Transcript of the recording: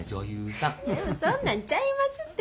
そんなんちゃいますて。